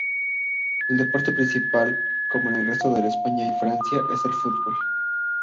El deporte principal, como en el resto de España y Francia, es el fútbol.